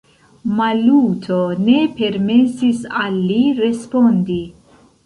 Maluto ne permesis al li respondi.